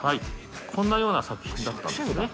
こんなような作品だったんですね。